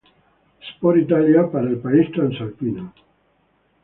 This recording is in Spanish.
Sport Italia, para el país transalpino.